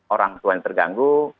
orang tua yang terganggu